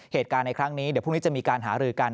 เหตุการณ์ในครั้งนี้เดี๋ยวพรุ่งนี้จะมีการหารือกัน